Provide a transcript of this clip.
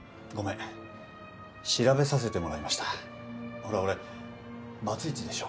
ほら俺バツイチでしょ？